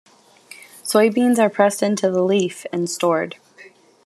Soybeans are pressed into the leaf, and stored.